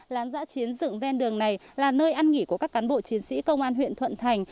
lán giã chiến dựng ven đường này là nơi ăn nghỉ của các cán bộ chiến sĩ công an huyện thuận thành